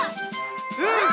うん！